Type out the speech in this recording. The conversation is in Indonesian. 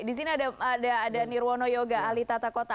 di sini ada nirwono yoga ahli tata kota